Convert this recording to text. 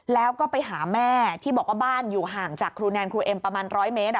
แล้วก็ไปหาแม่ที่บอกว่าบ้านอยู่ห่างจากครูแนนครูเอ็มประมาณ๑๐๐เมตร